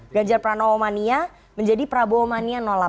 ganjar pranowo mania menjadi prabowo mania delapan